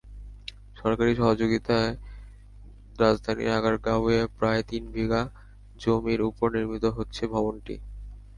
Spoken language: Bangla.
সরকারি সহযোগিতায় রাজধানীর আগারগাঁওয়ে প্রায় তিন বিঘা জমির ওপর নির্মিত হচ্ছে ভবনটি।